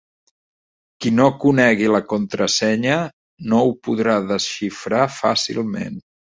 Qui no conegui la contrasenya no ho podrà desxifrar fàcilment.